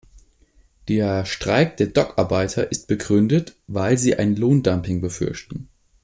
Der Streik der Dockarbeiter ist begründet, weil sie ein Lohndumping befürchten.